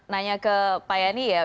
nanya ke pak yani